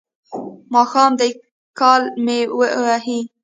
ماښام دی کاله کې مې وهي.